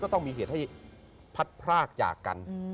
ต้องมีเหตุให้พัดพรากจากกัน